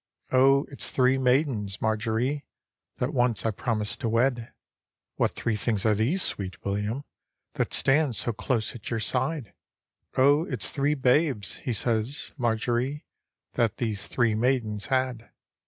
" O it's three maidens, Marjorie, That once I promised to wed." " What three things are these, sweet William, TTiat stand close at your side?" " O it's three babes," he says, " Marjorie, That these three maidens had."